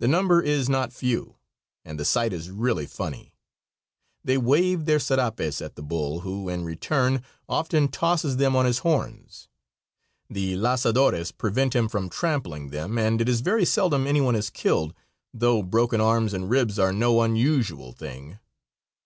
The number is not few, and the sight is really funny. They wave their serapes at the bull, who, in return, often tosses them on his horns. The lazadores prevent him from trampling them, and it is very seldom anyone is killed, though broken arms and ribs are no unusual thing.